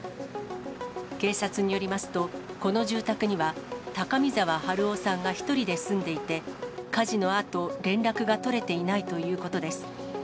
警察によりますと、この住宅には高見沢治夫さんが１人で住んでいて、火事のあと、連絡が取れていないということです。